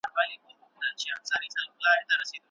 شین چای د روغتیا لپاره ښه دی.